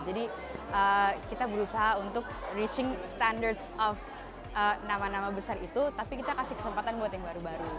jadi kita berusaha untuk reaching standards of nama nama besar itu tapi kita kasih kesempatan buat yang baru baru